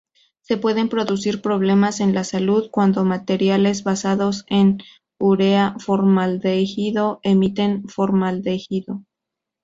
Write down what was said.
Se pueden producir problemas en la salud cuando materiales basados en urea-formaldehído, emiten formaldehído.